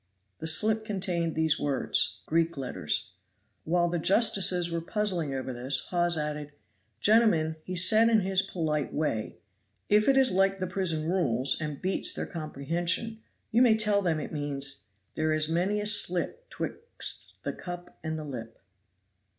The slip contained these words [Greek letters] While the justices were puzzling over this, Hawes added, "Gentlemen, he said in his polite way, 'If it is like the prison rules and beats their comprehension, you may tell them it means "'There is many a slip 'Twixt the cup and the lip.'"